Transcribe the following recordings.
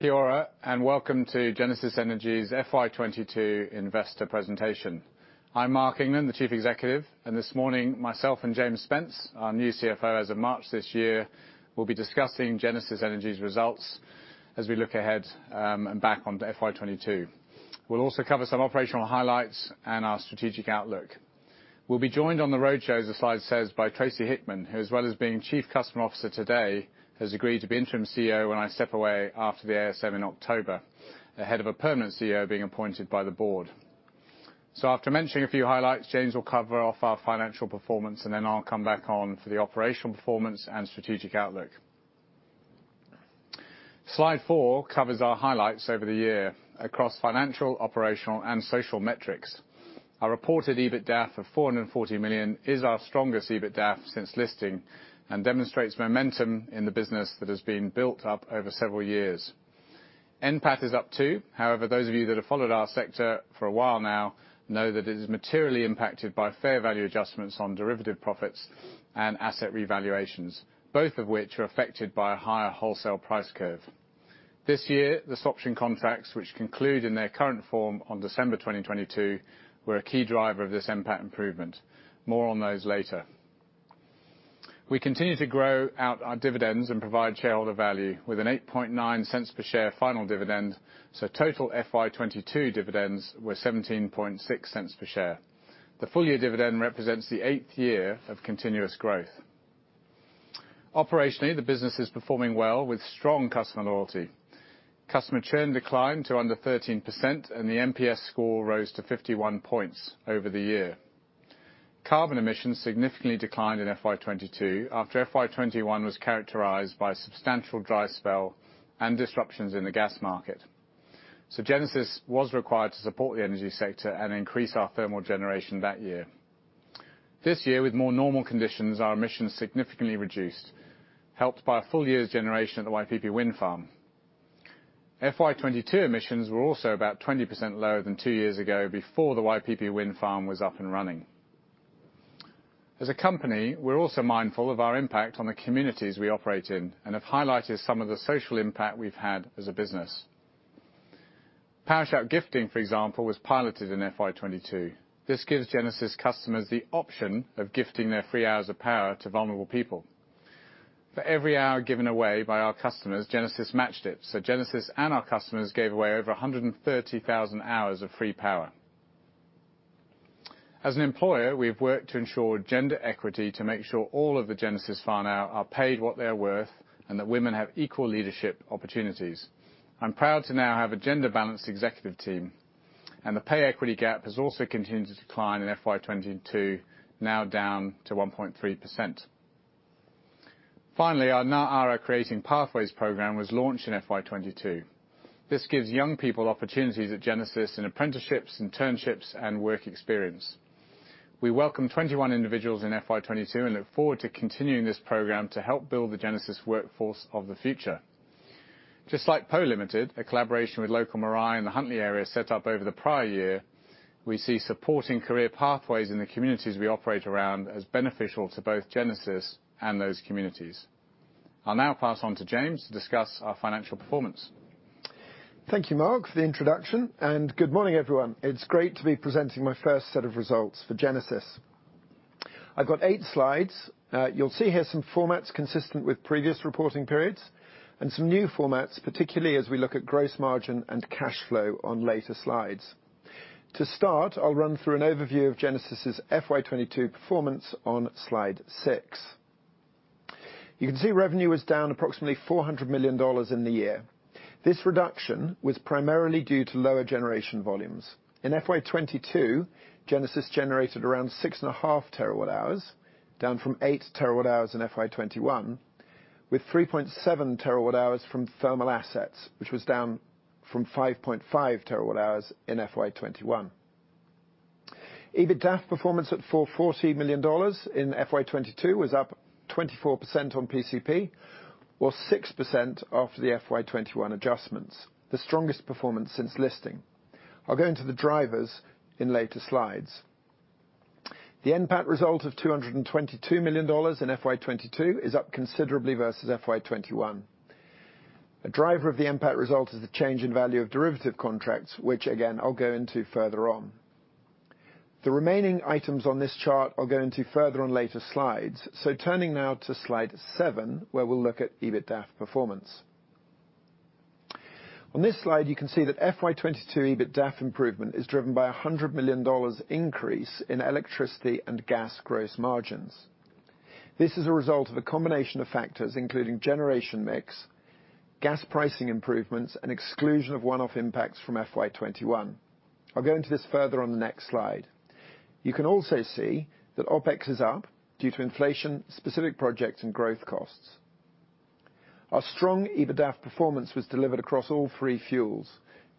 Kia ora, welcome to Genesis Energy's FY2022 investor presentation. I'm Marc England, the Chief Executive, and this morning, myself and James Spence, our new CFO as of March this year, will be discussing Genesis Energy's results as we look ahead, and back onto FY2022. We'll also cover some operational highlights and our strategic outlook. We'll be joined on the roadshow, as the slide says, by Tracey Hickman, who as well as being Chief Customer Officer today, has agreed to be interim CEO when I step away after the ASM in October, ahead of a permanent CEO being appointed by the board. After mentioning a few highlights, James will cover off our financial performance, and then I'll come back on for the operational performance and strategic outlook. Slide four covers our highlights over the year across financial, operational and social metrics. Our reported EBITDAF of 440 million is our strongest EBITDAF since listing and demonstrates momentum in the business that has been built up over several years. NPAT is up too. However, those of you that have followed our sector for a while now know that it is materially impacted by fair value adjustments on derivative profits and asset revaluations, both of which are affected by a higher wholesale price curve. This year, the swap option contracts, which conclude in their current form on December 2022, were a key driver of this NPAT improvement. More on those later. We continue to grow out our dividends and provide shareholder value with an 0.089 per share final dividend, so total FY 2022 dividends were 0.176 per share. The full year dividend represents the eighth year of continuous growth. Operationally, the business is performing well with strong customer loyalty. Customer churn declined to under 13%, and the NPS score rose to 51 points over the year. Carbon emissions significantly declined in FY2022 after FY2021 was characterized by substantial dry spell and disruptions in the gas market. Genesis was required to support the energy sector and increase our thermal generation that year. This year, with more normal conditions, our emissions significantly reduced, helped by a full year's generation at the Waipipi Wind Farm. FY2022 emissions were also about 20% lower than two years ago before the Waipipi Wind Farm was up and running. As a company, we're also mindful of our impact on the communities we operate in and have highlighted some of the social impact we've had as a business. Power Shout Gifting, for example, was piloted in FY2022. This gives Genesis customers the option of gifting their free hours of power to vulnerable people. For every hour given away by our customers, Genesis matched it, so Genesis and our customers gave away over 130,000 hours of free power. As an employer, we've worked to ensure gender equity to make sure all of the Genesis whānau are paid what they're worth and that women have equal leadership opportunities. I'm proud to now have a gender-balanced executive team, and the pay equity gap has also continued to decline in FY2022, now down to 1.3%. Finally, our Ngā Ara Creating Pathways program was launched in FY2022. This gives young people opportunities at Genesis and apprenticeships, internships and work experience. We welcome 21 individuals in FY2022 and look forward to continuing this program to help build the Genesis workforce of the future. Just like POU Limited, a collaboration with local marae in the Huntly area set up over the prior year, we see supporting career pathways in the communities we operate around as beneficial to both Genesis and those communities. I'll now pass on to James to discuss our financial performance. Thank you, Mark, for the introduction, and good morning, everyone. It's great to be presenting my first set of results for Genesis. I've got 8 slides. You'll see here some formats consistent with previous reporting periods and some new formats, particularly as we look at gross margin and cash flow on later slides. To start, I'll run through an overview of Genesis' FY2022 performance on slide six. You can see revenue was down approximately 400 million dollars in the year. This reduction was primarily due to lower generation volumes. In FY2022, Genesis generated around 6.5 T-W-H, down from 8 T-W-H in FY2021, with 3.7 T-W-H from thermal assets, which was down from 5.5 T-W-H in FY2021. EBITDAF performance at 440 million dollars in FY2022 was up 24% on PCP, or 6% off the FY2021 adjustments, the strongest performance since listing. I'll go into the drivers in later slides. The NPAT result of 222 million dollars in FY2022 is up considerably versus FY2021. A driver of the NPAT result is the change in value of derivative contracts, which again, I'll go into further on. The remaining items on this chart I'll go into further on later slides. Turning now to slide seven, where we'll look at EBITDAF performance. On this slide, you can see that FY2022 EBITDAF improvement is driven by a 100 million dollars increase in electricity and gas gross margins. This is a result of a combination of factors, including generation mix, gas pricing improvements and exclusion of one-off impacts from FY2021. I'll go into this further on the next slide. You can also see that OpEx is up due to inflation, specific projects and growth costs. Our strong EBITDAF performance was delivered across all three fuels.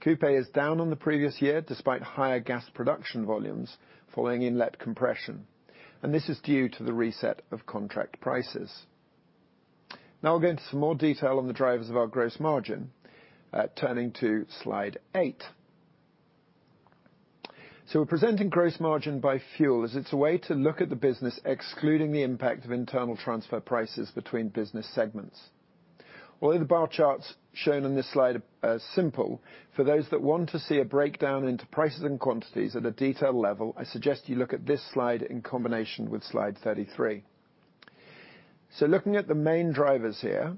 Kupe is down on the previous year, despite higher gas production volumes following inlet compression, and this is due to the reset of contract prices. Now I'll go into some more detail on the drivers of our gross margin, turning to slide eight. We're presenting gross margin by fuel as it's a way to look at the business, excluding the impact of internal transfer prices between business segments. Although the bar charts shown on this slide are simple, for those that want to see a breakdown into prices and quantities at a detailed level, I suggest you look at this slide in combination with slide 33. Looking at the main drivers here,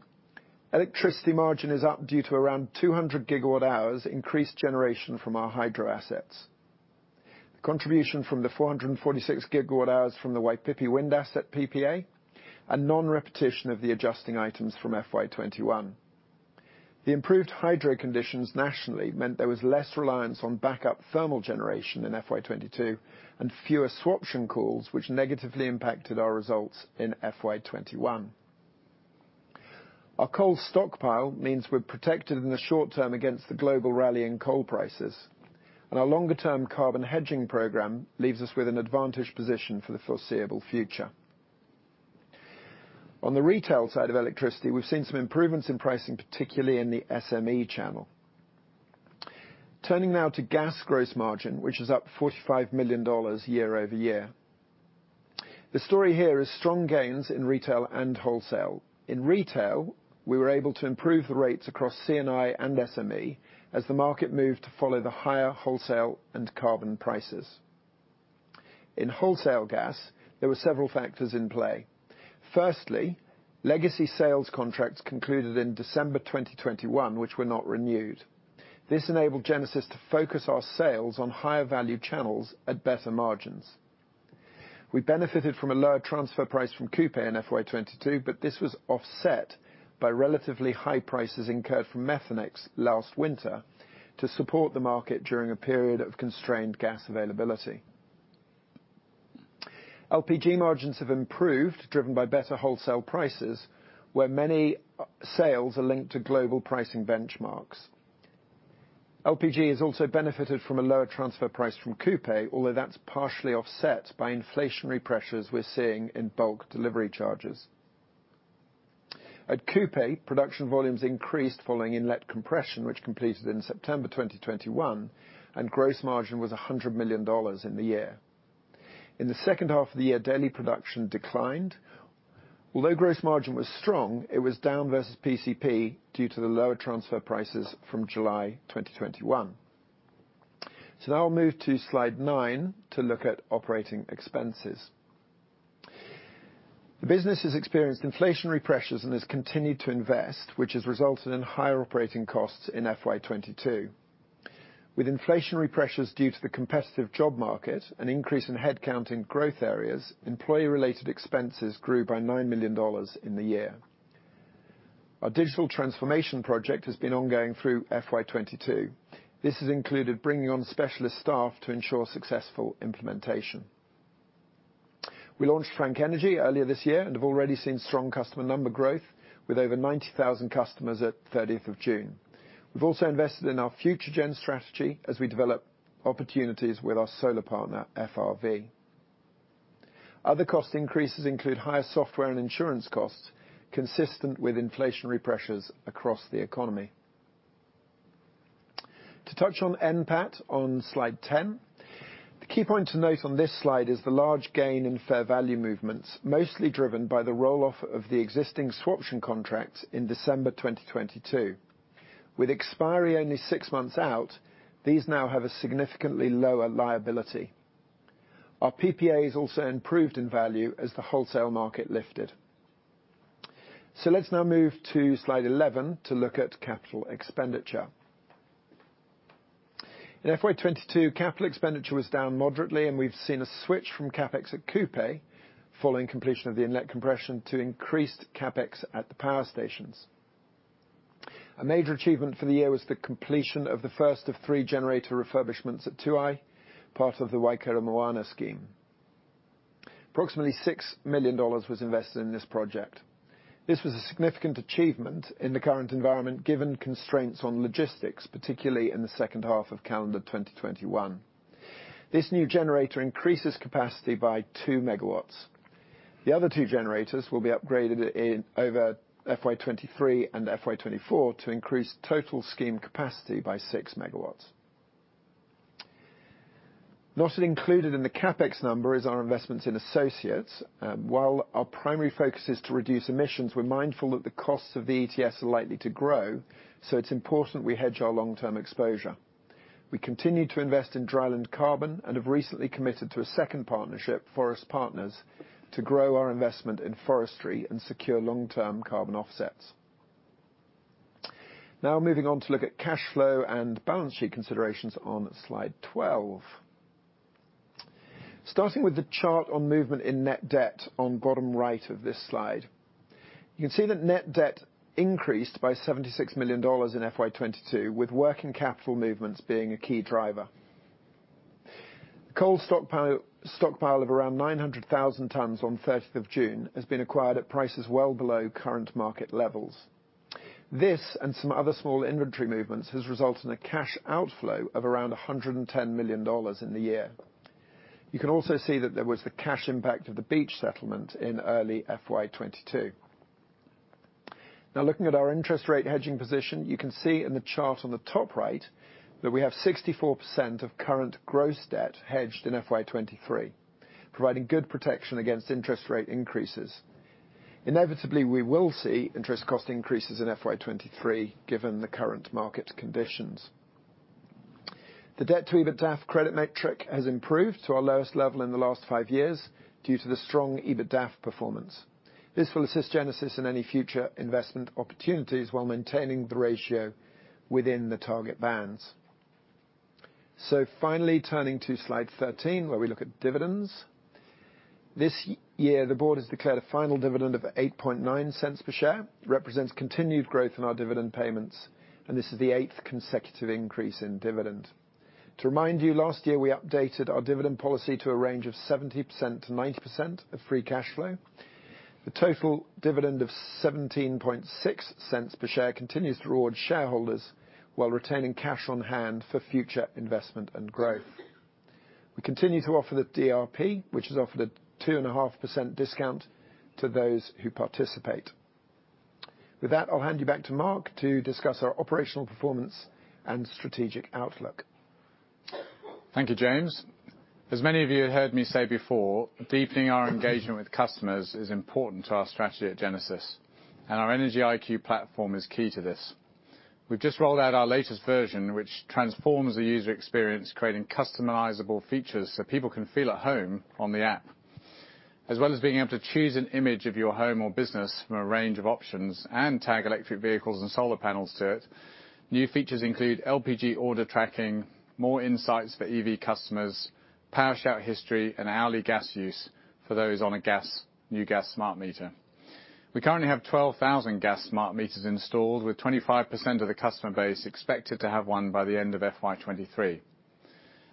electricity margin is up due to around 200 GWh increased generation from our hydro assets. The contribution from the 446 GWh from the Waipipi wind asset PPA and non-repetition of the adjusting items from FY 2021. The improved hydro conditions nationally meant there was less reliance on backup thermal generation in FY 2022 and fewer swaption calls, which negatively impacted our results in FY 2021. Our coal stockpile means we're protected in the short term against the global rally in coal prices, and our longer-term carbon hedging program leaves us with an advantaged position for the foreseeable future. On the retail side of electricity, we've seen some improvements in pricing, particularly in the SME channel. Turning now to gas gross margin, which is up 45 million dollars year-over-year. The story here is strong gains in retail and wholesale. In retail, we were able to improve the rates across C&I and SME as the market moved to follow the higher wholesale and carbon prices. In wholesale gas, there were several factors in play. Firstly, legacy sales contracts concluded in December 2021, which were not renewed. This enabled Genesis to focus our sales on higher value channels at better margins. We benefited from a lower transfer price from Kupe in FY 2022, but this was offset by relatively high prices incurred from Methanex last winter to support the market during a period of constrained gas availability. LPG margins have improved, driven by better wholesale prices, where many sales are linked to global pricing benchmarks. LPG has also benefited from a lower transfer price from Kupe, although that's partially offset by inflationary pressures we're seeing in bulk delivery charges. At Kupe, production volumes increased following inlet compression, which completed in September 2021, and gross margin was 100 million dollars in the year. In the second half of the year, daily production declined. Although gross margin was strong, it was down versus PCP due to the lower transfer prices from July 2021. Now I'll move to slide nine to look at operating expenses. The business has experienced inflationary pressures and has continued to invest, which has resulted in higher operating costs in FY 2022. With inflationary pressures due to the competitive job market, an increase in headcount in growth areas, employee-related expenses grew by 9 million dollars in the year. Our digital transformation project has been ongoing through FY 2022. This has included bringing on specialist staff to ensure successful implementation. We launched Frank Energy earlier this year and have already seen strong customer number growth with over 90,000 customers at 30th of June. We've also invested in our Future-gen strategy as we develop opportunities with our solar partner, FRV. Other cost increases include higher software and insurance costs, consistent with inflationary pressures across the economy. To touch on NPAT on Slide 10, the key point to note on this slide is the large gain in fair value movements, mostly driven by the roll-off of the existing swaption contracts in December 2022. With expiry only six months out, these now have a significantly lower liability. Our PPAs also improved in value as the wholesale market lifted. Let's now move to slide 11 to look at capital expenditure. In FY 2022, capital expenditure was down moderately, and we've seen a switch from CapEx at Kupe following completion of the inlet compression to increased CapEx at the power stations. A major achievement for the year was the completion of the first of three generator refurbishments at Tuai, part of the Waikaremoana scheme. Approximately 6 million dollars was invested in this project. This was a significant achievement in the current environment, given constraints on logistics, particularly in the second half of calendar 2021. This new generator increases capacity by 2 M-W. The other two generators will be upgraded over FY 2023 and FY 2024 to increase total scheme capacity by 6 M-W. Not included in the CapEx number is our investments in associates. While our primary focus is to reduce emissions, we're mindful that the costs of the ETS are likely to grow, so it's important we hedge our long-term exposure. We continue to invest in Dryland Carbon and have recently committed to a second partnership, Forest Partners, to grow our investment in forestry and secure long-term carbon offsets. Now moving on to look at cash flow and balance sheet considerations on slide 12. Starting with the chart on movement in net debt on bottom right of this slide. You can see that net debt increased by 76 million dollars in FY 2022, with working capital movements being a key driver. Coal stockpile of around 900,000 tons on 30th of June has been acquired at prices well below current market levels. This and some other small inventory movements has resulted in a cash outflow of around 110 million dollars in the year. You can also see that there was the cash impact of the Beach Energy settlement in early FY 2022. Now looking at our interest rate hedging position, you can see in the chart on the top right that we have 64% of current gross debt hedged in FY 2023, providing good protection against interest rate increases. Inevitably, we will see interest cost increases in FY 2023, given the current market conditions. The debt-to-EBITDAF credit metric has improved to our lowest level in the last five years due to the strong EBITDAF performance. This will assist Genesis in any future investment opportunities while maintaining the ratio within the target bands. Finally, turning to slide 13, where we look at dividends. This year, the board has declared a final dividend of 0.089 per share. Represents continued growth in our dividend payments, and this is the eighth consecutive increase in dividend. To remind you, last year we updated our dividend policy to a range of 70%-90% of free cash flow. The total dividend of 0.176 per share continues to reward shareholders while retaining cash on hand for future investment and growth. We continue to offer the DRP, which has offered a 2.5% discount to those who participate. With that, I'll hand you back to Marc to discuss our operational performance and strategic outlook. Thank you, James. As many of you have heard me say before, deepening our engagement with customers is important to our strategy at Genesis, and our EnergyIQ platform is key to this. We've just rolled out our latest version, which transforms the user experience, creating customizable features so people can feel at home on the app. As well as being able to choose an image of your home or business from a range of options and tag electric vehicles and solar panels to it, new features include LPG order tracking, more insights for EV customers, PowerShout history, and hourly gas use for those on a gas, new gas smart meter. We currently have 12,000 gas smart meters installed, with 25% of the customer base expected to have one by the end of FY 2023.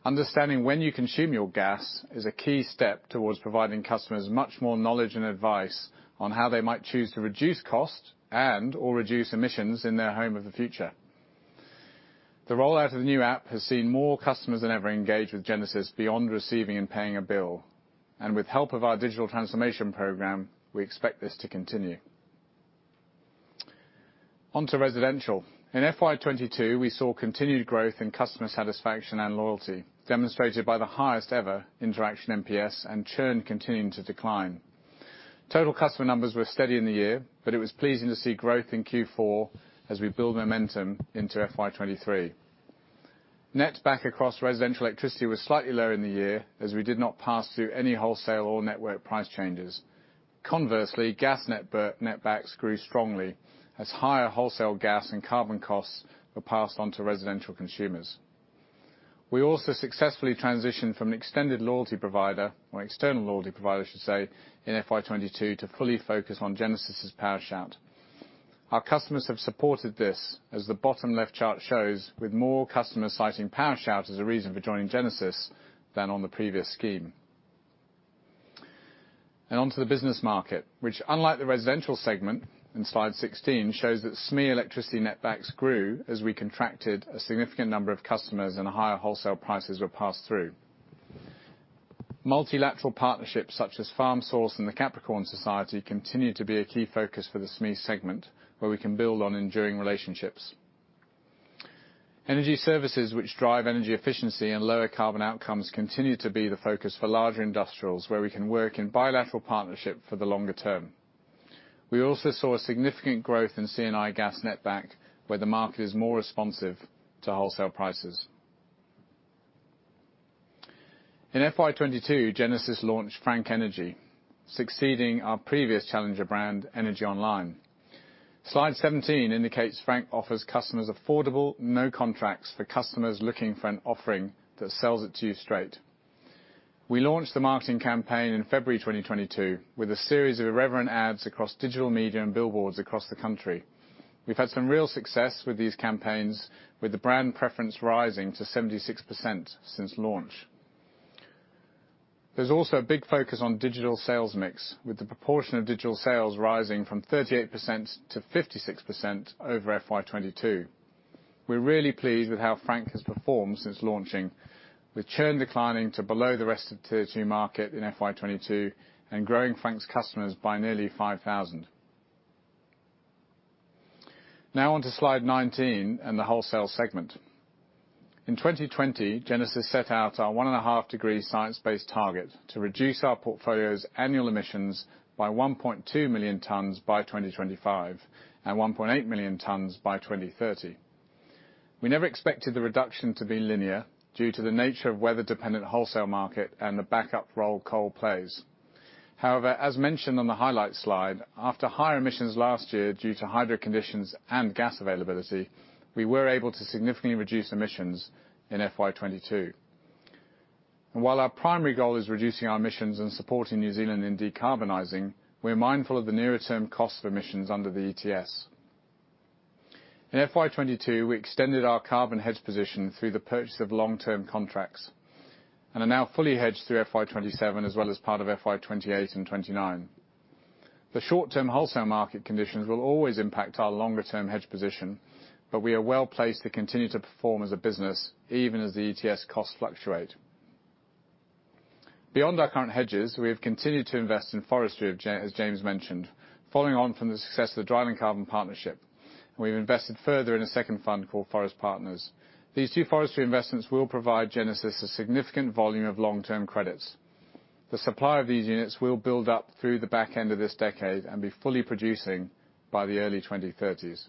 Understanding when you consume your gas is a key step towards providing customers much more knowledge and advice on how they might choose to reduce cost and/or reduce emissions in their home of the future. The rollout of the new app has seen more customers than ever engage with Genesis beyond receiving and paying a bill. With the help of our digital transformation program, we expect this to continue. On to residential. In FY 2022, we saw continued growth in customer satisfaction and loyalty, demonstrated by the highest ever interaction NPS and churn continuing to decline. Total customer numbers were steady in the year, but it was pleasing to see growth in Q4 as we build momentum into FY 2023. Net back across residential electricity was slightly lower in the year, as we did not pass through any wholesale or network price changes. Conversely, gas netback, netbacks grew strongly as higher wholesale gas and carbon costs were passed on to residential consumers. We also successfully transitioned from an extended loyalty provider, or external loyalty provider, I should say, in FY 2022 to fully focus on Genesis' Power Shout. Our customers have supported this, as the bottom left chart shows, with more customers citing Power Shout as a reason for joining Genesis than on the previous scheme. On to the business market, which unlike the residential segment, in slide 16, shows that SME electricity netbacks grew as we contracted a significant number of customers and higher wholesale prices were passed through. Multilateral partnerships such as Farm Source and the Capricorn Society continue to be a key focus for the SME segment, where we can build on enduring relationships. Energy services which drive energy efficiency and lower carbon outcomes continue to be the focus for larger industrials, where we can work in bilateral partnership for the longer term. We also saw a significant growth in C&I gas netback, where the market is more responsive to wholesale prices. In FY 22, Genesis launched Frank Energy, succeeding our previous challenger brand, Energy Online. Slide 17 indicates Frank offers customers affordable no contracts for customers looking for an offering that sells it to you straight. We launched the marketing campaign in February 2022, with a series of irreverent ads across digital media and billboards across the country. We've had some real success with these campaigns, with the brand preference rising to 76% since launch. There's also a big focus on digital sales mix, with the proportion of digital sales rising from 38% to 56% over FY 22. We're really pleased with how Frank has performed since launching, with churn declining to below the rest of the tertiary market in FY 22 and growing Frank's customers by nearly 5,000. Now on to slide 19 and the wholesale segment. In 2020, Genesis set out our 1.5-degree science-based target to reduce our portfolio's annual emissions by 1.2 million tons by 2025 and 1.8 million tons by 2030. We never expected the reduction to be linear due to the nature of weather-dependent wholesale market and the backup role coal plays. However, as mentioned on the highlights slide, after higher emissions last year due to hydro conditions and gas availability, we were able to significantly reduce emissions in FY 22. While our primary goal is reducing our emissions and supporting New Zealand in decarbonizing, we're mindful of the nearer term cost of emissions under the ETS. In FY 2022, we extended our carbon hedge position through the purchase of long-term contracts and are now fully hedged through FY 2027 as well as part of FY 2028 and 2029. The short-term wholesale market conditions will always impact our longer term hedge position, but we are well placed to continue to perform as a business even as the ETS costs fluctuate. Beyond our current hedges, we have continued to invest in forestry as James mentioned. Following on from the success of the Dryland Carbon partnership, we've invested further in a second fund called Forest Partners. These two forestry investments will provide Genesis a significant volume of long-term credits. The supply of these units will build up through the back end of this decade and be fully producing by the early 2030s.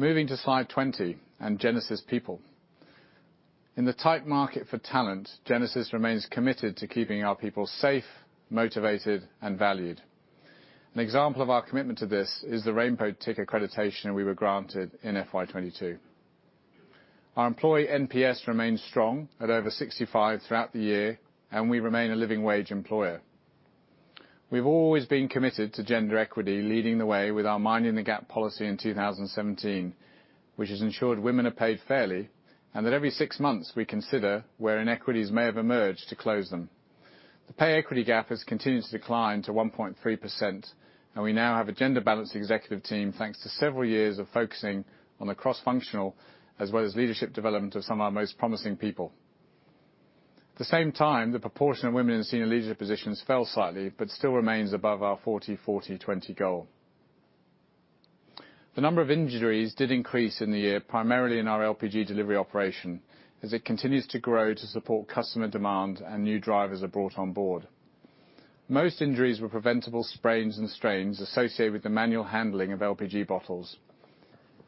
Moving to slide 20 and Genesis people. In the tight market for talent, Genesis remains committed to keeping our people safe, motivated, and valued. An example of our commitment to this is the Rainbow Tick accreditation we were granted in FY 2022. Our employee NPS remains strong at over 65 throughout the year, and we remain a living wage employer. We've always been committed to gender equity, leading the way with our Minding the Gap policy in 2017, which has ensured women are paid fairly, and that every six months we consider where inequities may have emerged to close them. The pay equity gap has continued to decline to 1.3%, and we now have a gender-balanced executive team, thanks to several years of focusing on the cross-functional as well as leadership development of some of our most promising people. At the same time, the proportion of women in senior leadership positions fell slightly, but still remains above our 40/40/20 goal. The number of injuries did increase in the year, primarily in our LPG delivery operation, as it continues to grow to support customer demand and new drivers are brought on board. Most injuries were preventable sprains and strains associated with the manual handling of LPG bottles.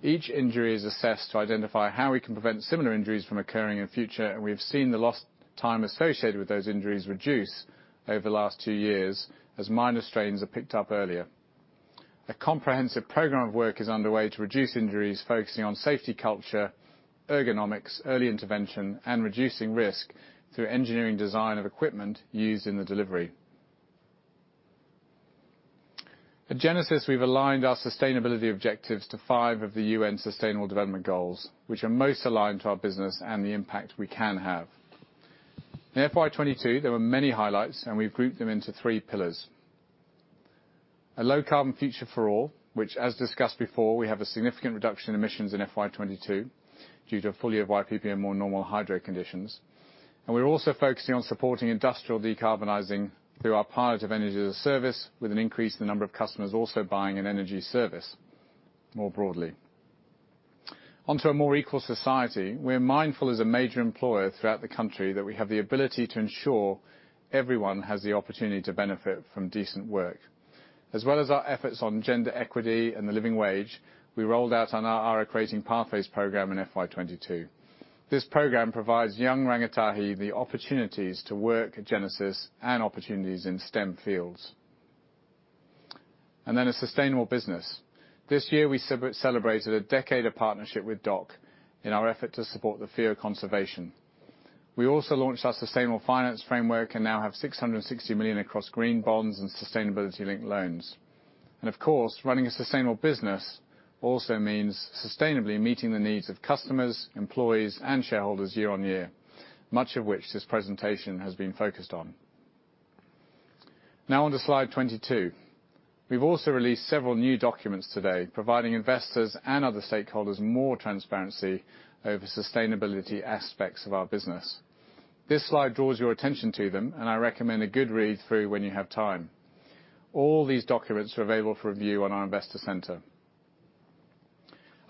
Each injury is assessed to identify how we can prevent similar injuries from occurring in future, and we have seen the lost time associated with those injuries reduce over the last 2 years as minor strains are picked up earlier. A comprehensive program of work is underway to reduce injuries, focusing on safety culture, ergonomics, early intervention, and reducing risk through engineering design of equipment used in the delivery. At Genesis, we've aligned our sustainability objectives to five of the UN sustainable development goals, which are most aligned to our business and the impact we can have. In FY 2022, there were many highlights, and we've grouped them into three pillars. A low-carbon future for all, which as discussed before, we have a significant reduction in emissions in FY 2022 due to a full year of Waipipi and more normal hydro conditions. We're also focusing on supporting industrial decarbonizing through our pilot of energy as a service, with an increase in the number of customers also buying an energy service more broadly. Onto a more equal society. We're mindful as a major employer throughout the country that we have the ability to ensure everyone has the opportunity to benefit from decent work. As well as our efforts on gender equity and the living wage, we rolled out our Ngā Ara Creating Pathways program in FY 2022. This program provides young rangatahi the opportunities to work at Genesis and opportunities in STEM fields. A sustainable business. This year, we celebrated a decade of partnership with DOC in our effort to support the Whio conservation. We also launched our sustainable finance framework and now have 660 million across green bonds and sustainability-linked loans. Of course, running a sustainable business also means sustainably meeting the needs of customers, employees, and shareholders year-on-year, much of which this presentation has been focused on. Now onto slide 22. We've also released several new documents today providing investors and other stakeholders more transparency over sustainability aspects of our business. This slide draws your attention to them, and I recommend a good read through when you have time. All these documents are available for review on our investor center.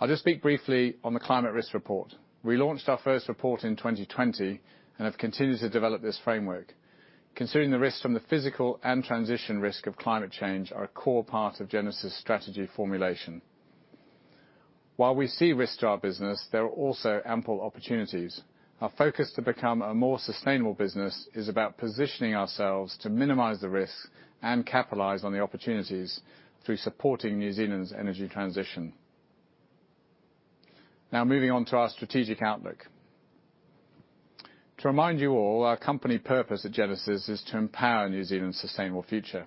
I'll just speak briefly on the climate risk report. We launched our first report in 2020 and have continued to develop this framework. Considering the risks from the physical and transition risk of climate change are a core part of Genesis Energy strategy formulation. While we see risk to our business, there are also ample opportunities. Our focus to become a more sustainable business is about positioning ourselves to minimize the risks and capitalize on the opportunities through supporting New Zealand's energy transition. Now moving on to our strategic outlook. To remind you all, our company purpose at Genesis is to empower New Zealand's sustainable future.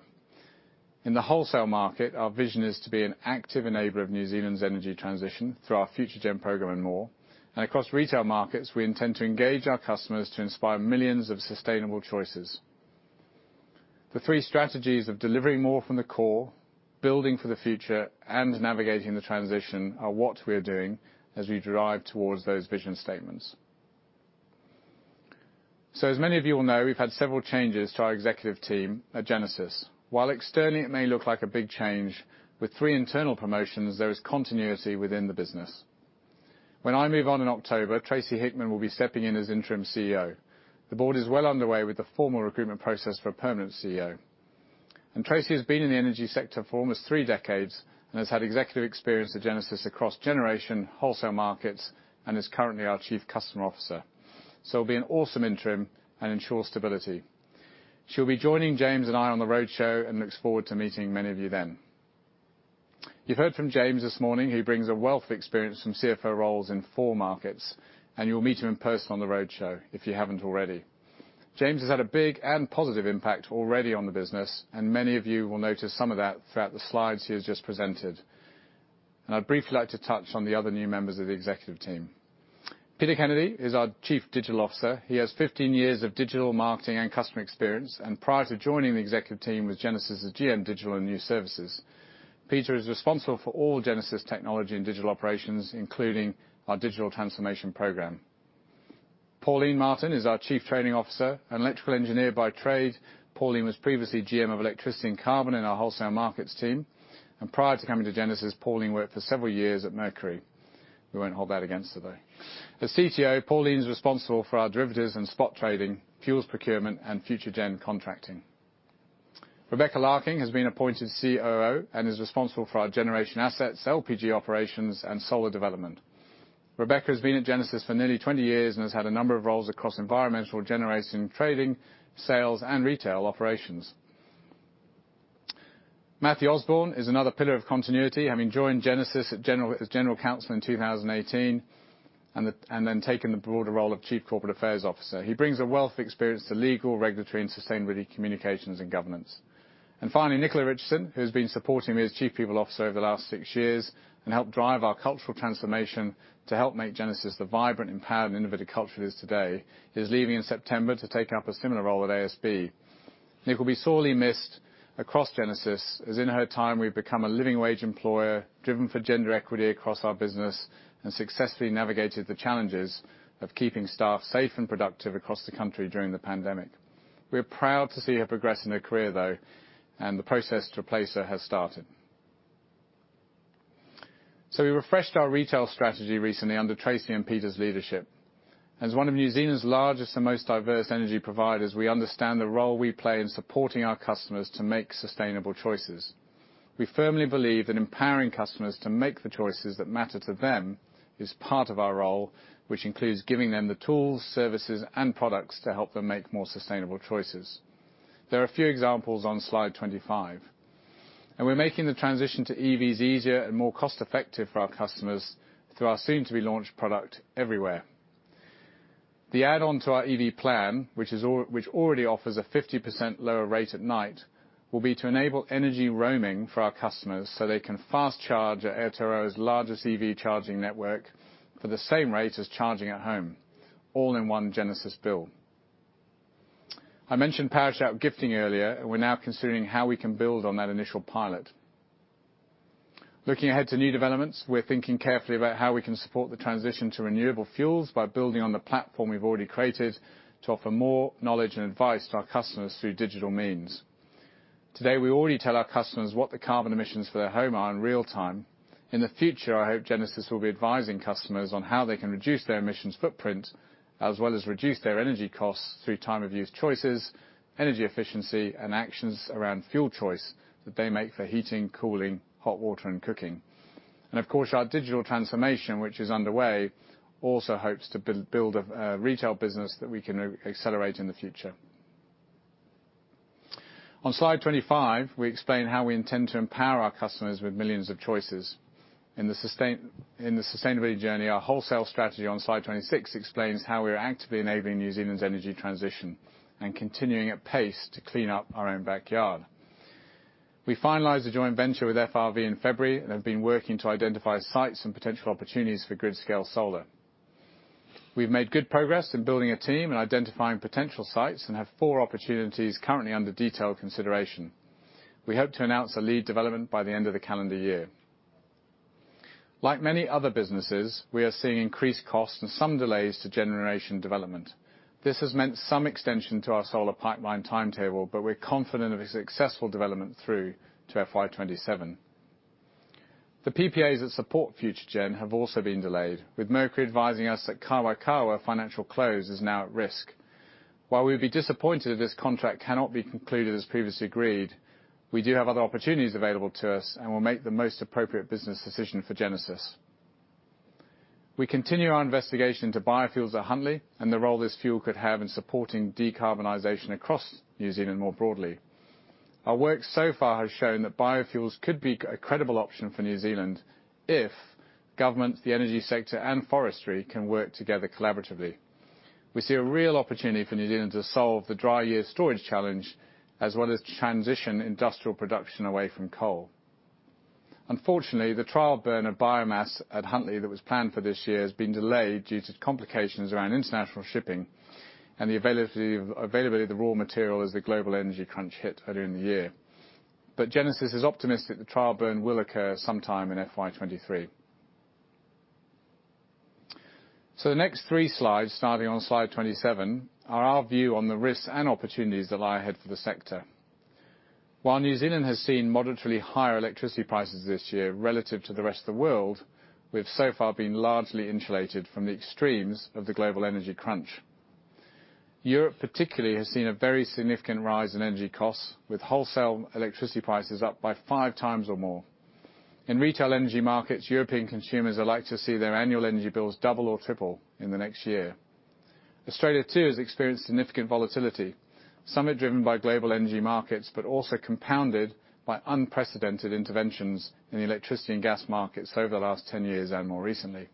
In the wholesale market, our vision is to be an active enabler of New Zealand's energy transition through our Future-gen program and more. Across retail markets, we intend to engage our customers to inspire millions of sustainable choices. The three strategies of delivering more from the core, building for the future, and navigating the transition are what we are doing as we drive towards those vision statements. As many of you all know, we've had several changes to our executive team at Genesis. While externally it may look like a big change, with three internal promotions, there is continuity within the business. When I move on in October, Tracey Hickman will be stepping in as interim CEO. The board is well underway with the formal recruitment process for a permanent CEO. Tracey has been in the energy sector for almost three decades and has had executive experience at Genesis across generation, wholesale markets, and is currently our Chief Customer Officer. Will be an awesome interim and ensure stability. She'll be joining James and I on the roadshow and looks forward to meeting many of you then. You've heard from James this morning, who brings a wealth of experience from CFO roles in four markets, and you'll meet him in person on the roadshow if you haven't already. James has had a big and positive impact already on the business, and many of you will notice some of that throughout the slides he has just presented. I'd briefly like to touch on the other new members of the executive team. Peter Kennedy is our Chief Digital Officer. He has 15 years of digital marketing and customer experience, and prior to joining the executive team was Genesis' GM, Digital and New Services. Peter is responsible for all Genesis technology and digital operations, including our digital transformation program. Pauline Martin is our Chief Trading Officer and electrical engineer by trade. Pauline was previously GM of Electricity and Carbon in our Wholesale Markets team. Prior to coming to Genesis, Pauline worked for several years at Mercury. We won't hold that against her, though. As CTO, Pauline's responsible for our derivatives and spot trading, fuels procurement, and Future-gen contracting. Rebecca Larkin has been appointed COO and is responsible for our generation assets, LPG operations, and solar development. Rebecca's been at Genesis for nearly 20 years and has had a number of roles across environmental generation, trading, sales, and retail operations. Matthew Osborne is another pillar of continuity, having joined Genesis as general counsel in 2018, and then taking the broader role of Chief Corporate Affairs Officer. He brings a wealth of experience to legal, regulatory, and sustainability communications and governance. Finally, Nicola Richardson, who's been supporting me as Chief People Officer over the last six years and helped drive our cultural transformation to help make Genesis the vibrant, empowered, and innovative culture it is today, is leaving in September to take up a similar role at ASB. Nic will be sorely missed across Genesis, as in her time, we've become a living wage employer, driven for gender equity across our business, and successfully navigated the challenges of keeping staff safe and productive across the country during the pandemic. We're proud to see her progress in her career, though, and the process to replace her has started. We refreshed our retail strategy recently under Tracey and Peter's leadership. As one of New Zealand's largest and most diverse energy providers, we understand the role we play in supporting our customers to make sustainable choices. We firmly believe that empowering customers to make the choices that matter to them is part of our role, which includes giving them the tools, services, and products to help them make more sustainable choices. There are a few examples on slide 25. We're making the transition to EVs easier and more cost-effective for our customers through our soon-to-be-launched product, everywhere. The add-on to our EV plan, which already offers a 50% lower rate at night, will be to enable energy roaming for our customers, so they can fast-charge at Aotearoa's largest EV charging network for the same rate as charging at home, all in one Genesis bill. I mentioned Power Shout Gifting earlier. We're now considering how we can build on that initial pilot. Looking ahead to new developments, we're thinking carefully about how we can support the transition to renewable fuels by building on the platform we've already created to offer more knowledge and advice to our customers through digital means. Today, we already tell our customers what the carbon emissions for their home are in real time. In the future, I hope Genesis will be advising customers on how they can reduce their emissions footprint, as well as reduce their energy costs through time of use choices, energy efficiency, and actions around fuel choice that they make for heating, cooling, hot water, and cooking. Of course, our digital transformation, which is underway, also hopes to build a retail business that we can accelerate in the future. On slide 25, we explain how we intend to empower our customers with millions of choices. In the sustainability journey, our wholesale strategy on slide 26 explains how we are actively enabling New Zealand's energy transition and continuing at pace to clean up our own backyard. We finalized a joint venture with FRV in February and have been working to identify sites and potential opportunities for grid-scale solar. We've made good progress in building a team and identifying potential sites and have four opportunities currently under detailed consideration. We hope to announce a lead development by the end of the calendar year. Like many other businesses, we are seeing increased costs and some delays to generation development. This has meant some extension to our solar pipeline timetable, but we're confident of a successful development through to FY 2027. The PPAs that support Future-gen have also been delayed, with Mercury advising us that Kawerau financial close is now at risk. While we'd be disappointed if this contract cannot be concluded as previously agreed, we do have other opportunities available to us, and we'll make the most appropriate business decision for Genesis. We continue our investigation into biofuels at Huntly and the role this fuel could have in supporting decarbonization across New Zealand more broadly. Our work so far has shown that biofuels could be a credible option for New Zealand if government, the energy sector, and forestry can work together collaboratively. We see a real opportunity for New Zealand to solve the dry year storage challenge, as well as to transition industrial production away from coal. Unfortunately, the trial burn of biomass at Huntly that was planned for this year has been delayed due to complications around international shipping and the availability of the raw material as the global energy crunch hit earlier in the year. Genesis is optimistic the trial burn will occur sometime in FY 2023. The next three slides, starting on slide 27, are our view on the risks and opportunities that lie ahead for the sector. While New Zealand has seen moderately higher electricity prices this year relative to the rest of the world, we've so far been largely insulated from the extremes of the global energy crunch. Europe particularly has seen a very significant rise in energy costs, with wholesale electricity prices up by five times or more. In retail energy markets, European consumers are likely to see their annual energy bills double or triple in the next year. Australia too has experienced significant volatility, somewhat driven by global energy markets, but also compounded by unprecedented interventions in the electricity and gas markets over the last 10 years and more recently,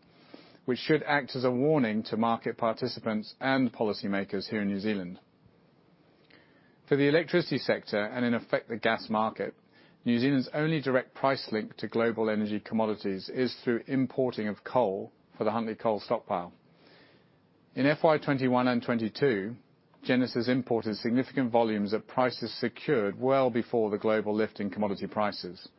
which should act as a warning to market participants and policymakers here in New Zealand. For the electricity sector, and in effect, the gas market, New Zealand's only direct price link to global energy commodities is through importing of coal for the Huntly coal stockpile. In FY 2021 and 2022, Genesis imported significant volumes at prices secured well before the global lift in commodity prices.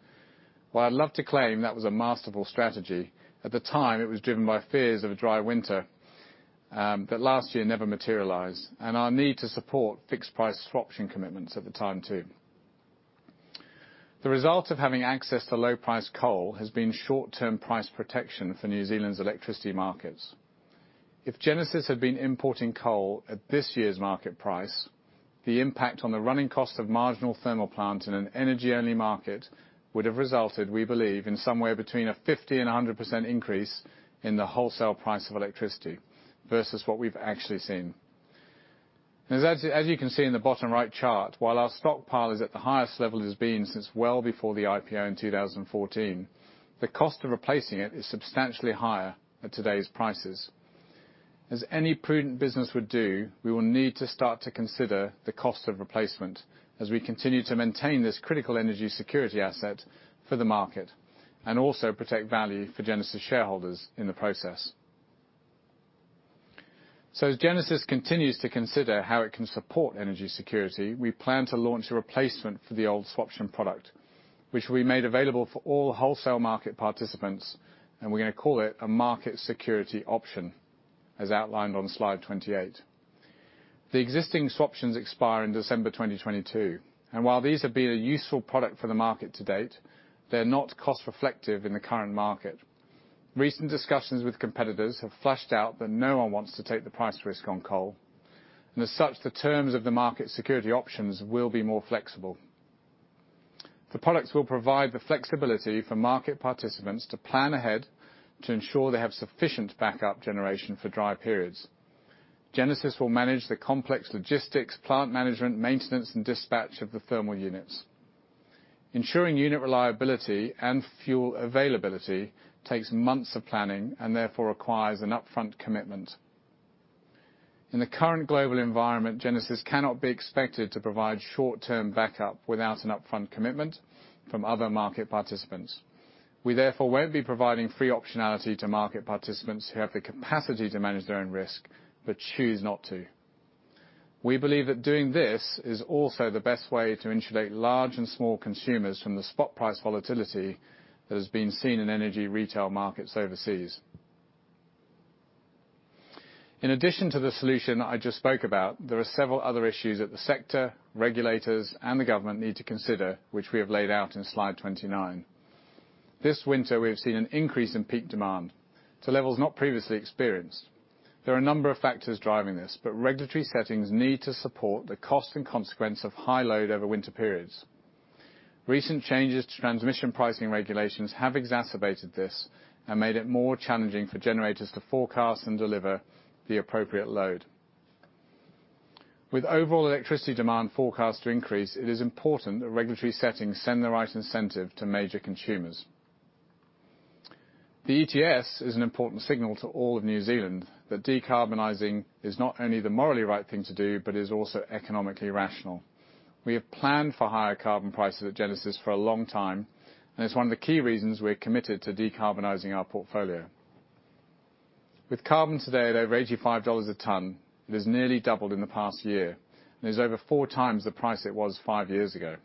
While I'd love to claim that was a masterful strategy, at the time, it was driven by fears of a dry winter, that last year never materialized, and our need to support fixed-price swap option commitments at the time too. The result of having access to low-priced coal has been short-term price protection for New Zealand's electricity markets. If Genesis had been importing coal at this year's market price, the impact on the running cost of marginal thermal plant in an energy-only market would have resulted, we believe, in somewhere between a 50% and 100% increase in the wholesale price of electricity versus what we've actually seen. As you can see in the bottom right chart, while our stockpile is at the highest level it's been since well before the IPO in 2014, the cost of replacing it is substantially higher at today's prices. As any prudent business would do, we will need to start to consider the cost of replacement as we continue to maintain this critical energy security asset for the market, and also protect value for Genesis shareholders in the process. As Genesis continues to consider how it can support energy security, we plan to launch a replacement for the old swap option product, which we made available for all wholesale market participants, and we're gonna call it a Market Security Option, as outlined on slide 28. The existing swap options expire in December 2022, and while these have been a useful product for the market to date, they're not cost reflective in the current market. Recent discussions with competitors have fleshed out that no one wants to take the price risk on coal, and as such, the terms of the Market Security Options will be more flexible. The products will provide the flexibility for market participants to plan ahead to ensure they have sufficient backup generation for dry periods. Genesis will manage the complex logistics, plant management, maintenance, and dispatch of the thermal units. Ensuring unit reliability and fuel availability takes months of planning and therefore requires an upfront commitment. In the current global environment, Genesis cannot be expected to provide short-term backup without an upfront commitment from other market participants. We therefore won't be providing free optionality to market participants who have the capacity to manage their own risk but choose not to. We believe that doing this is also the best way to insulate large and small consumers from the spot price volatility that has been seen in energy retail markets overseas. In addition to the solution I just spoke about, there are several other issues that the sector, regulators, and the government need to consider, which we have laid out in slide 29. This winter, we have seen an increase in peak demand to levels not previously experienced. There are a number of factors driving this, but regulatory settings need to support the cost and consequence of high load over winter periods. Recent changes to transmission pricing regulations have exacerbated this and made it more challenging for generators to forecast and deliver the appropriate load. With overall electricity demand forecast to increase, it is important that regulatory settings send the right incentive to major consumers. The ETS is an important signal to all of New Zealand that decarbonizing is not only the morally right thing to do, but is also economically rational. We have planned for higher carbon prices at Genesis for a long time, and it's one of the key reasons we're committed to decarbonizing our portfolio. With carbon today at over 85 dollars a ton, it has nearly doubled in the past year, and is over 4x the price it was five years ago.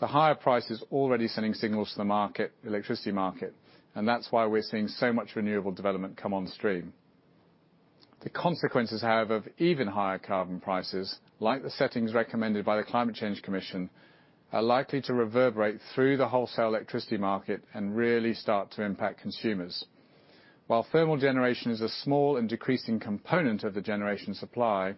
The higher price is already sending signals to the market, electricity market, and that's why we're seeing so much renewable development come on stream. The consequences, however, of even higher carbon prices, like the settings recommended by the Climate Change Commission, are likely to reverberate through the wholesale electricity market and really start to impact consumers. While thermal generation is a small and decreasing component of the generation supply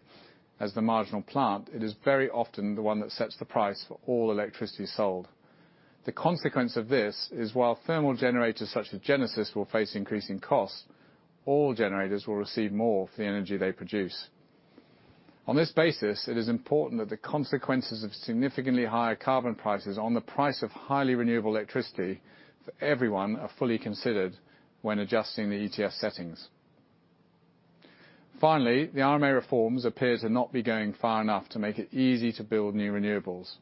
as the marginal plant, it is very often the one that sets the price for all electricity sold. The consequence of this is, while thermal generators such as Genesis will face increasing costs, all generators will receive more for the energy they produce. On this basis, it is important that the consequences of significantly higher carbon prices on the price of highly renewable electricity for everyone are fully considered when adjusting the ETS settings. Finally, the RMA reforms appear to not be going far enough to make it easy to build new renewables.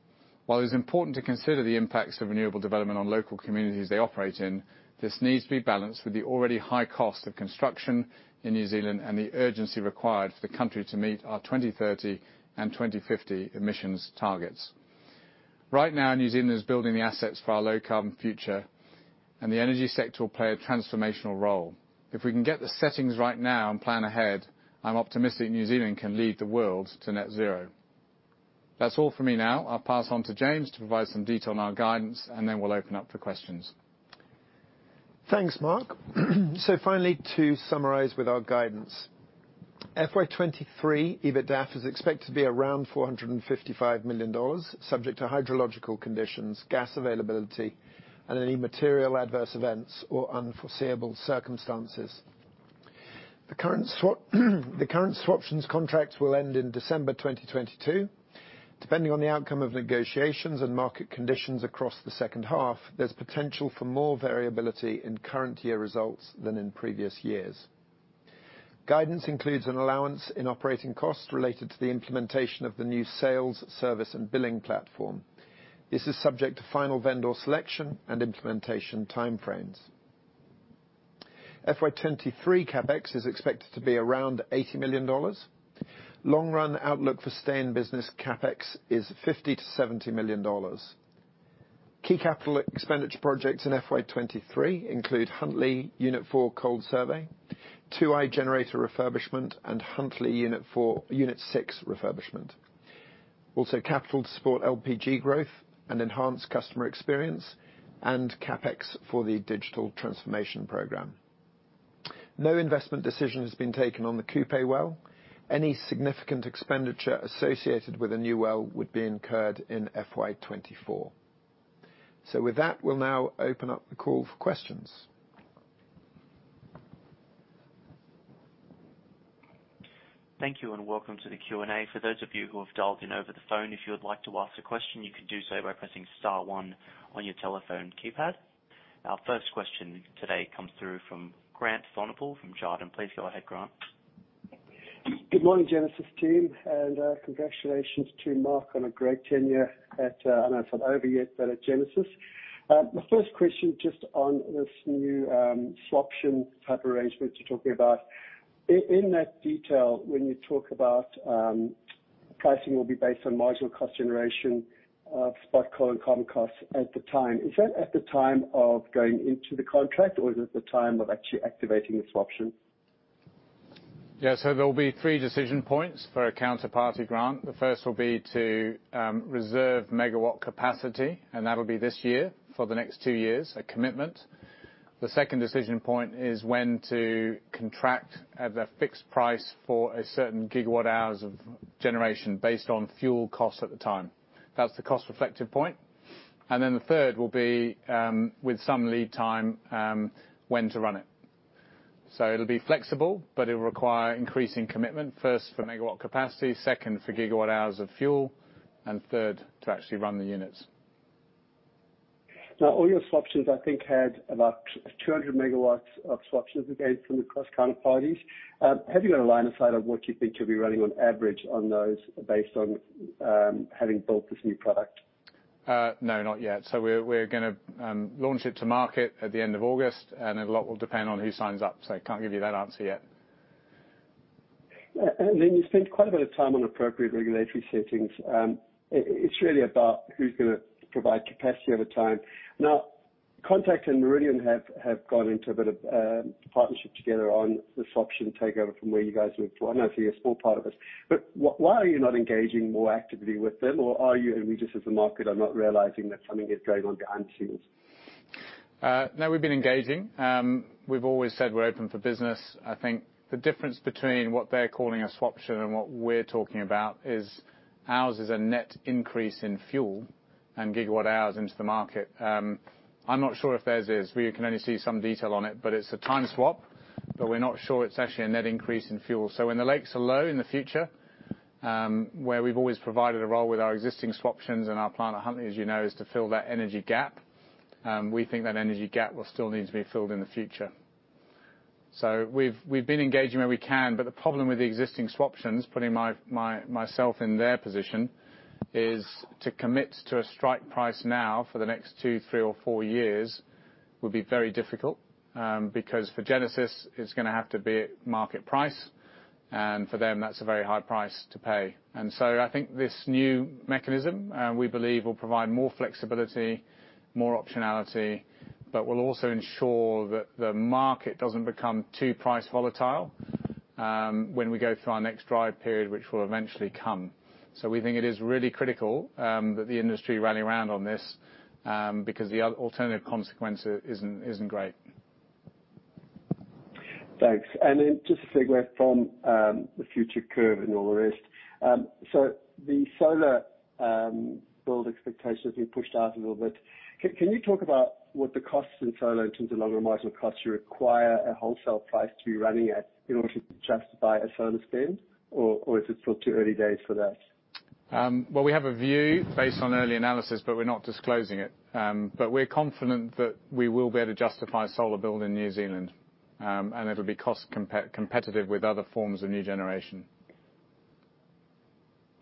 While it is important to consider the impacts of renewable development on local communities they operate in, this needs to be balanced with the already high cost of construction in New Zealand and the urgency required for the country to meet our 2030 and 2050 emissions targets. Right now, New Zealand is building the assets for our low-carbon future, and the energy sector will play a transformational role. If we can get the settings right now and plan ahead, I'm optimistic New Zealand can lead the world to net zero. That's all for me now. I'll pass on to James to provide some detail on our guidance, and then we'll open up for questions. Thanks, Mark. Finally, to summarize with our guidance. FY 2023 EBITDAF is expected to be around 455 million dollars, subject to hydrological conditions, gas availability, and any material adverse events or unforeseeable circumstances. The current swap options contracts will end in December 2022. Depending on the outcome of negotiations and market conditions across the second half, there's potential for more variability in current year results than in previous years. Guidance includes an allowance in operating costs related to the implementation of the new sales, service, and billing platform. This is subject to final vendor selection and implementation time frames. FY2023 CapEx is expected to be around 80 million dollars. Long run outlook for stay in business CapEx is 50 million-70 million dollars. Key capital expenditure projects in FY23 include Huntly Unit 4 cold survey, Unit 2 generator refurbishment, and Huntly Unit 6 refurbishment. Also capital to support LPG growth and enhanced customer experience and CapEx for the digital transformation program. No investment decision has been taken on the Kupe well. Any significant expenditure associated with a new well would be incurred in FY2024. With that, we'll now open up the call for questions. Thank you and welcome to the Q&A. For those of you who have dialed in over the phone, if you would like to ask a question, you can do so by pressing star one on your telephone keypad. Our first question today comes through from Grant Swanepoel from Jarden. Please go ahead, Grant. Good morning Genesis team, and congratulations to Mark on a great tenure at Genesis. I know it's not over yet, but at Genesis. My first question just on this new swap option type arrangement you're talking about. In that detail, when you talk about pricing will be based on marginal cost generation of spot coal and carbon costs at the time. Is that at the time of going into the contract or is it at the time of actually activating the swap option? Yeah. There'll be three decision points for a counterparty, Grant. The first will be to reserve megawatt capacity, and that'll be this year for the next two years, a commitment. The second decision point is when to contract at a fixed price for a certain gigawatt hours of generation based on fuel costs at the time. That's the cost reflective point. The third will be with some lead time, when to run it. It'll be flexible, but it will require increasing commitment, first for megawatt capacity, second for gigawatt hours of fuel, and third to actually run the units. Now, all your swap options I think had about 200 M-W of swap options again from the across counterparties. Have you got a line of sight of what you think you'll be running on average on those based on having built this new product? No, not yet. We're gonna launch it to market at the end of August, and a lot will depend on who signs up. Can't give you that answer yet. Then you spent quite a bit of time on appropriate regulatory settings. It's really about who's gonna provide capacity over time. Now, Contact and Meridian have gone into a bit of partnership together on the swap option takeover from where you guys moved. I know for you, a small part of it. Why are you not engaging more actively with them, or are you and we just as the market are not realizing that something is going on behind the scenes? No, we've been engaging. We've always said we're open for business. I think the difference between what they're calling a swap option and what we're talking about is ours is a net increase in fuel and gigawatt hours into the market. I'm not sure if theirs is. We can only see some detail on it, but it's a time swap, but we're not sure it's actually a net increase in fuel. When the lakes are low in the future, where we've always provided a role with our existing swap options and our plant at Huntly, as you know, is to fill that energy gap, we think that energy gap will still need to be filled in the future. We've been engaging where we can, but the problem with the existing swap options, putting myself in their position, is to commit to a strike price now for the next two, three or four years will be very difficult, because for Genesis, it's gonna have to be at market price, and for them, that's a very high price to pay. I think this new mechanism, we believe will provide more flexibility, more optionality, but will also ensure that the market doesn't become too price volatile, when we go through our next dry period, which will eventually come. We think it is really critical, that the industry rally around on this, because the alternative consequence isn't great. Thanks. Just to segue from the future curve and all the rest. The solar build expectations being pushed out a little bit. Can you talk about what the costs in solar in terms of longer marginal costs you require a wholesale price to be running at in order to justify a solar spend, or is it still too early days for that? Well, we have a view based on early analysis, but we're not disclosing it. We're confident that we will be able to justify solar build in New Zealand, and it'll be cost competitive with other forms of new generation.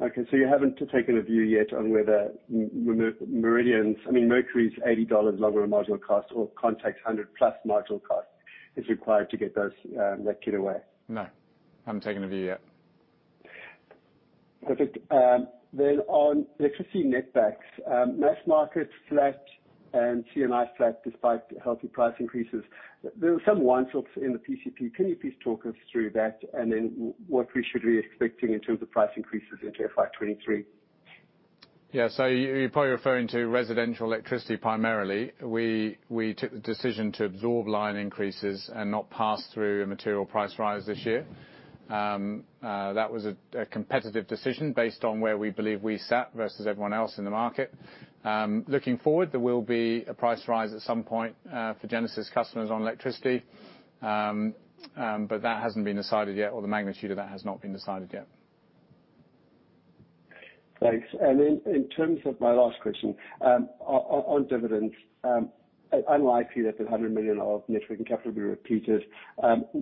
Okay. You haven't taken a view yet on whether Mercury's 80 dollars longer marginal cost or Contact's 100+ marginal cost is required to get those, that cleared away? No. Haven't taken a view yet. Perfect. On electricity net backs, most markets flat and C&I is flat despite healthy price increases. There are some winds ups in the PCP. Can you please walk us through that and then what we should be expecting in terms of price increases into FY 2023? Yeah. You, you're probably referring to residential electricity primarily. We took the decision to absorb line increases and not pass through a material price rise this year. That was a competitive decision based on where we believe we sat versus everyone else in the market. Looking forward, there will be a price rise at some point for Genesis customers on electricity. That hasn't been decided yet, or the magnitude of that has not been decided yet. Thanks. In terms of my last question, on dividends, I know last year that the 100 million of net working capital be repeated.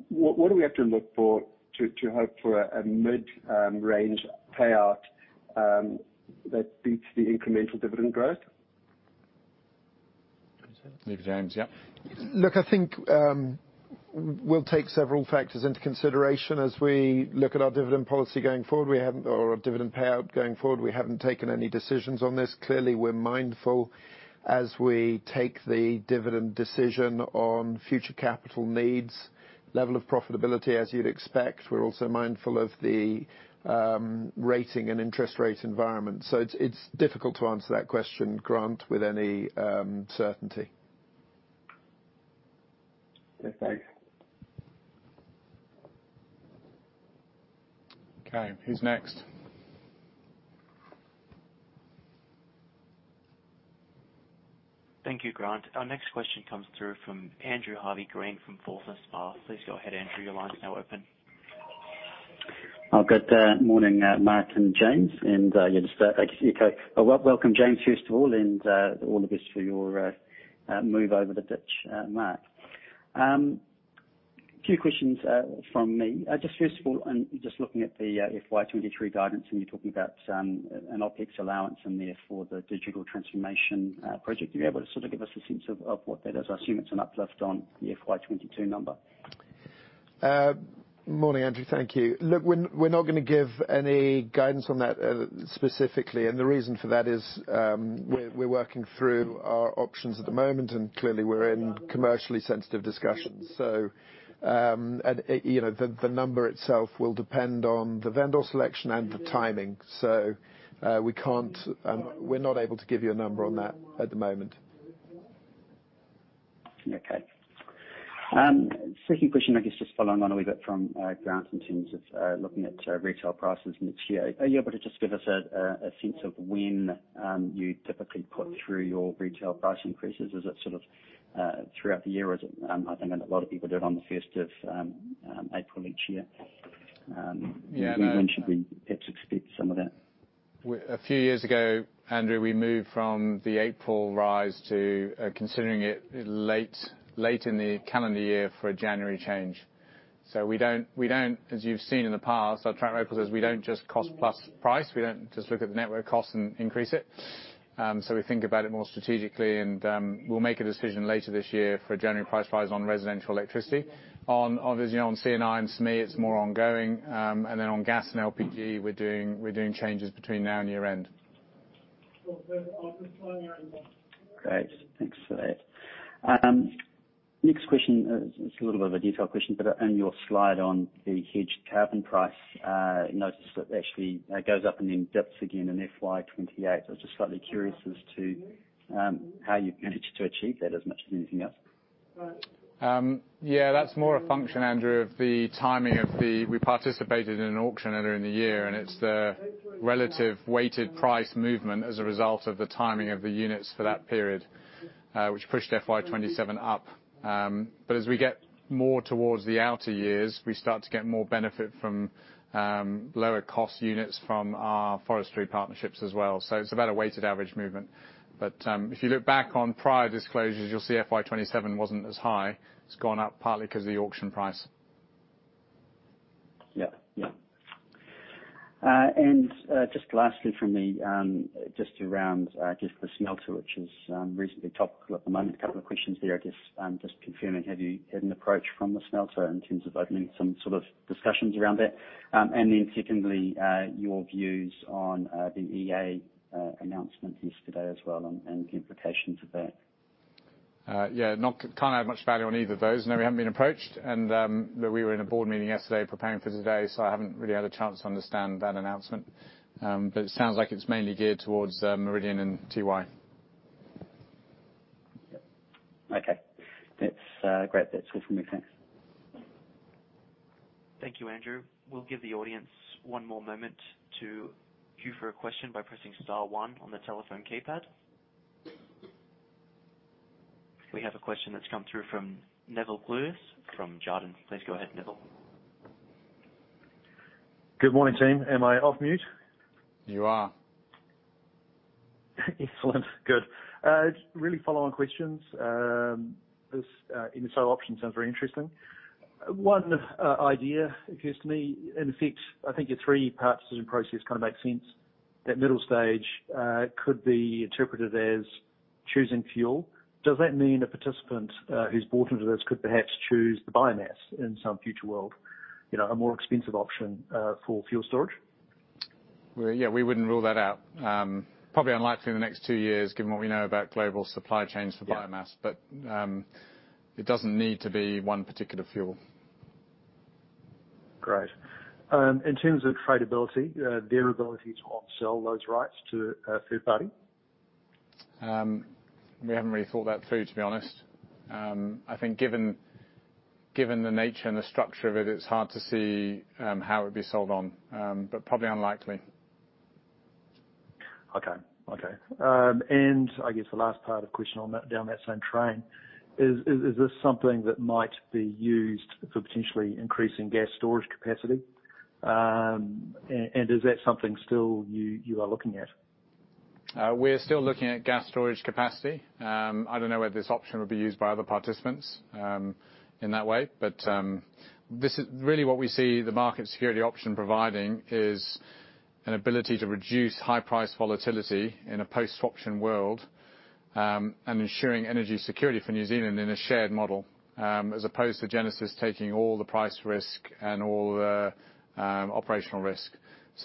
What do we have to look for to hope for a mid range payout that beats the incremental dividend growth? Leave it to James. Yeah. Look, I think, we'll take several factors into consideration as we look at our dividend policy going forward. Or our dividend payout going forward. We haven't taken any decisions on this. Clearly, we're mindful as we take the dividend decision on future capital needs, level of profitability, as you'd expect. We're also mindful of the rating and interest rate environment. It's difficult to answer that question, Grant, with any certainty. Okay, thanks. Okay, who's next? Thank you, Grant. Our next question comes through from Andrew Harvey-Green from Forsyth Barr. Please go ahead, Andrew. Your line is now open. Oh, good morning, Marc and James. Thank you, okay. Well, welcome, James, first of all, and all the best for your move over the ditch, Marc. Two questions from me. Just first of all, just looking at the FY 2023 guidance, and you're talking about an OpEx allowance and therefore the digital transformation project. Are you able to sort of give us a sense of what that is? I assume it's an uplift on the FY 2022 number. Morning, Andrew. Thank you. Look, we're not gonna give any guidance on that specifically, and the reason for that is, we're working through our options at the moment, and clearly we're in commercially sensitive discussions. You know, the number itself will depend on the vendor selection and the timing. We're not able to give you a number on that at the moment. Okay. Second question I guess just following on a wee bit from Grant in terms of looking at retail prices next year. Are you able to just give us a sense of when you typically put through your retail price increases? Is it sort of throughout the year, or is it I think a lot of people do it on the first of April each year. When should we perhaps expect some of that? A few years ago, Andrew, we moved from the April rise to considering it late in the calendar year for a January change. We don't, as you've seen in the past, our track record is we don't just cost-plus price. We don't just look at the network costs and increase it. We think about it more strategically and we'll make a decision later this year for January price rise on residential electricity. On, obviously, on C&I and SME, it's more ongoing. On gas and LPG, we're doing changes between now and year end. Great. Thanks for that. Next question, it's a little bit of a detailed question, but in your slide on the hedged carbon price, noticed that actually it goes up and then dips again in FY 2028. I was just slightly curious as to, how you managed to achieve that as much as anything else. Yeah, that's more a function, Andrew, of the timing. We participated in an auction earlier in the year, and it's the relative weighted price movement as a result of the timing of the units for that period, which pushed FY 2027 up. As we get more towards the outer years, we start to get more benefit from lower cost units from our forestry partnerships as well. It's about a weighted average movement. If you look back on prior disclosures, you'll see FY 2027 wasn't as high. It's gone up partly because of the auction price. Just lastly from me, just around the smelter, which is recently topical at the moment. A couple of questions there, I guess. Just confirming, have you had an approach from the smelter in terms of opening some sort of discussions around that? Then secondly, your views on the EA announcement yesterday as well and the implications of that. Yeah. Can't add much value on either of those. No, we haven't been approached, and we were in a board meeting yesterday preparing for today, so I haven't really had a chance to understand that announcement. It sounds like it's mainly geared towards Meridian and Tiwai. Okay. That's great. That's all from me. Thanks. Thank you, Andrew. We'll give the audience one more moment to queue for a question by pressing star one on the telephone keypad. We have a question that's come through from Nevill Gluyas from Jarden. Please go ahead, Neville. Good morning, team. Am I off mute? You are. Excellent. Good. Just really follow-on questions. This MSO option sounds very interesting. One idea occurs to me. In effect, I think your three-part decision process kind of makes sense. That middle stage could be interpreted as choosing fuel. Does that mean a participant who's bought into this could perhaps choose the biomass in some future world? You know, a more expensive option for fuel storage. Well, yeah, we wouldn't rule that out. Probably unlikely in the next two years given what we know about global supply chains for biomass. Yeah. It doesn't need to be one particular fuel. Great. In terms of tradability, their ability to on-sell those rights to a third party? We haven't really thought that through, to be honest. I think given the nature and the structure of it's hard to see how it would be sold on, but probably unlikely. Okay. I guess the last part of question on that, down that same train, is this something that might be used for potentially increasing gas storage capacity? Is that something still you are looking at? We're still looking at gas storage capacity. I don't know whether this option would be used by other participants in that way. This is really what we see the Market Security Option providing is an ability to reduce high price volatility in a post-swap option world, and ensuring energy security for New Zealand in a shared model, as opposed to Genesis taking all the price risk and all the operational risk.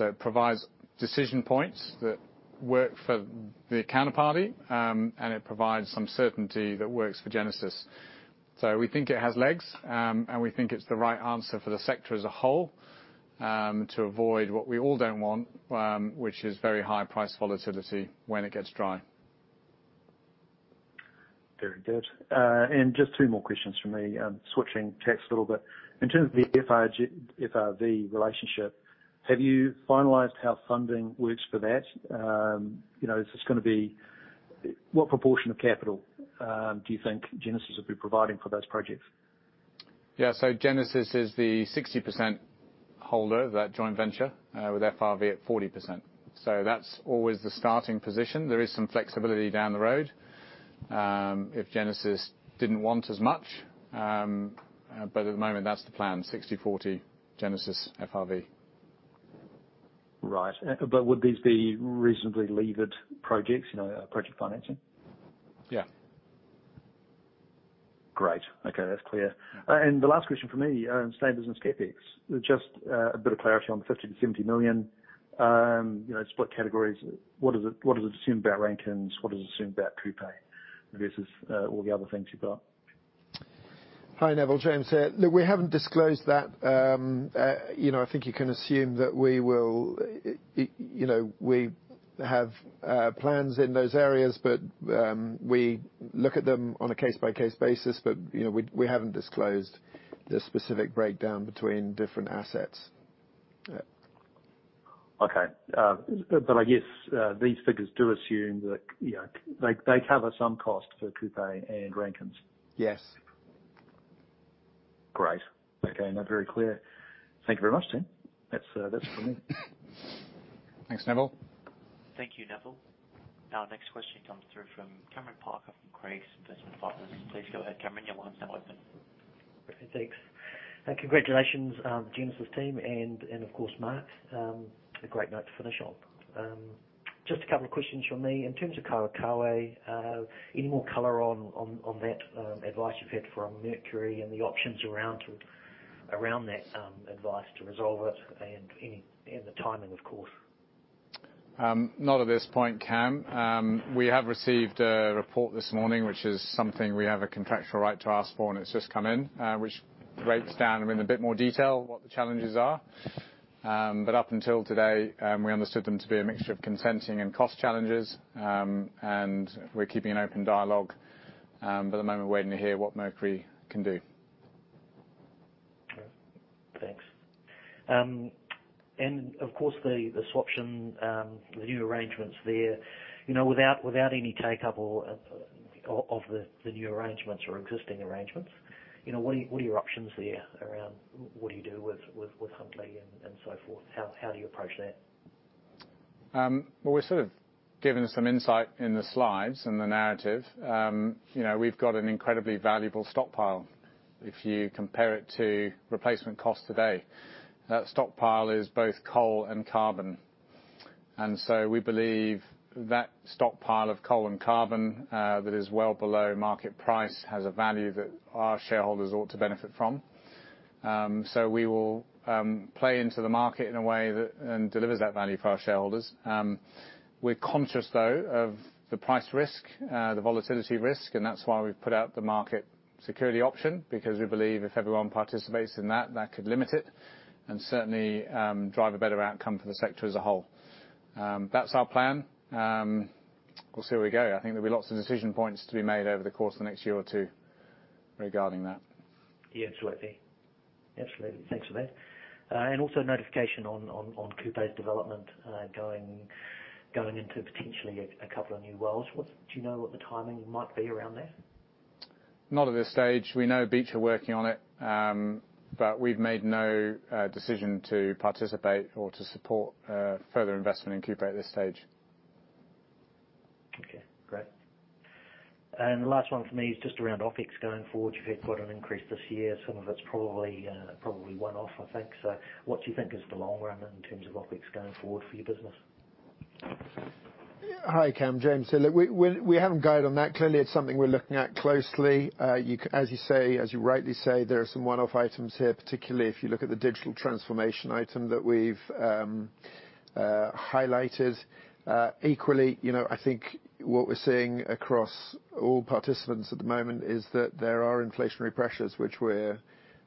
It provides decision points that work for the counterparty, and it provides some certainty that works for Genesis. We think it has legs, and we think it's the right answer for the sector as a whole, to avoid what we all don't want, which is very high price volatility when it gets dry. Very good. Just two more questions from me. Switching tacks a little bit. In terms of the FRV relationship, have you finalized how funding works for that? You know, is this gonna be what proportion of capital do you think Genesis will be providing for those projects? Genesis is the 60% holder of that joint venture with FRV at 40%. That's always the starting position. There is some flexibility down the road if Genesis didn't want as much. At the moment, that's the plan. 60/40 Genesis FRV. Right. Would these be reasonably levered projects, you know, project financing? Yeah. Great. Okay. That's clear. The last question from me, staying business CapEx. Just, a bit of clarity on the 50 million-70 million. You know, split categories. What is it, what does it assume about Rankine? What does it assume about Kupe versus, all the other things you've got? Hi, Nevill. James here. Look, we haven't disclosed that. You know, I think you can assume that we will, you know, we have plans in those areas, but we look at them on a case-by-case basis. You know, we haven't disclosed the specific breakdown between different assets. Yeah. I guess these figures do assume that, you know, they cover some cost for Kupe and Rankine. Yes. Great. Okay. No, very clear. Thank you very much, team. That's from me. Thanks, Neville. Thank you, Nevill. Our next question comes through from Cameron Parker from Craigs Investment Partners. Please go ahead, Cameron. Your line's now open. Perfect. Thanks. Congratulations, Genesis team and of course, Marc. A great note to finish on. Just a couple of questions from me. In terms of Kawakawa, any more color on that advice you've had from Mercury and the options around that advice to resolve it and the timing, of course? Not at this point, Cam. We have received a report this morning, which is something we have a contractual right to ask for, and it's just come in, which breaks down in a bit more detail what the challenges are. Up until today, we understood them to be a mixture of consenting and cost challenges. We're keeping an open dialogue, but at the moment we're waiting to hear what Mercury can do. Okay. Thanks. Of course, the swap option, the new arrangements there. You know, without any take-up of the new arrangements or existing arrangements, you know, what are your options there around what do you do with Huntly and so forth? How do you approach that? Well, we've sort of given some insight in the slides and the narrative. You know, we've got an incredibly valuable stockpile. If you compare it to replacement cost today, that stockpile is both coal and carbon. We believe that stockpile of coal and carbon that is well below market price has a value that our shareholders ought to benefit from. We will play into the market in a way that delivers that value for our shareholders. We're conscious, though, of the price risk, the volatility risk, and that's why we've put out the Market Security Option because we believe if everyone participates in that could limit it and certainly drive a better outcome for the sector as a whole. That's our plan. We'll see where we go.I think there'll be lots of decision points to be made over the course of the next year or two regarding that. Yeah, absolutely. Thanks for that. Also notification on Kupe's development going into potentially a couple of new worlds. Do you know what the timing might be around that? Not at this stage. We know Beach are working on it, but we've made no decision to participate or to support further investment in Kupe at this stage. Okay. Great. The last one for me is just around OpEx going forward. You've had quite an increase this year. Some of it's probably one-off, I think. What do you think is the long run in terms of OpEx going forward for your business? Hi, Cam. James here. Look, we haven't guided on that. Clearly, it's something we're looking at closely. As you say, as you rightly say, there are some one-off items here, particularly if you look at the digital transformation item that we've highlighted. Equally, you know, I think what we're seeing across all participants at the moment is that there are inflationary pressures which we're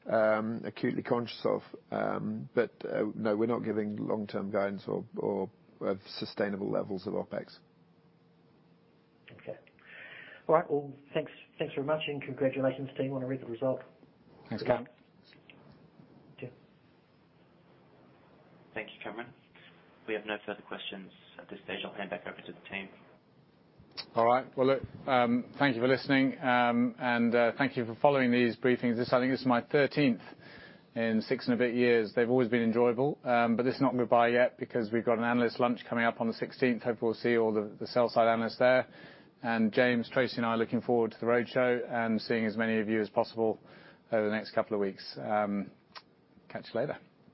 acutely conscious of. But, no, we're not giving long-term guidance or sustainable levels of OpEx. Okay. All right. Well, thanks. Thanks very much, and congratulations to you on a real good result. Thanks, Cam. Yeah. Thank you, Cameron. We have no further questions at this stage. I'll hand back over to the team. All right. Well, look, thank you for listening, and thank you for following these briefings. This, I think, is my thirteenth in six and a bit years. They've always been enjoyable, but this is not goodbye yet because we've got an analyst lunch coming up on the16th. Hopefully, we'll see all the sell side analysts there. James, Tracey, and I are looking forward to the road show and seeing as many of you as possible over the next couple of weeks. Catch you later.